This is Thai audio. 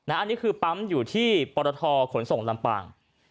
อันนี้คือปั๊มอยู่ที่ปรทขนส่งลำปาง